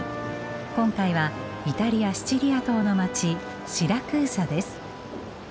今回はイタリアシチリア島の街シラクーサです。